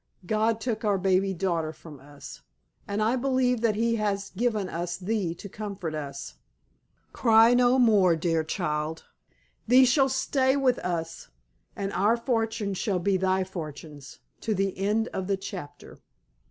God took our baby daughter from us, and I believe that He has given us thee to comfort us. Cry no more, dear child, thee shall stay with us, and our fortunes shall be thy fortunes, to the end of the chapter."